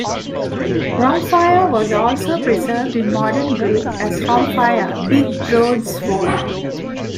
Rhomphaia was also preserved in modern Greek as rhomphaia "big broad sword".